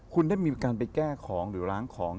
คุณได้มีการไปแก้ของหรือล้างของ